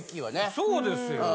そうですよ。